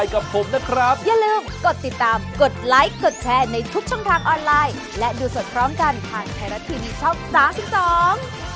กลับทางออนไลน์และดูสดพร้อมกันผ่านไทยรัฐคลิปช่อง๓๒